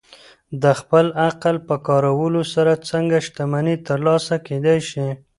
د خپل عقل په کارولو سره څنګه شتمني ترلاسه کېدای شي؟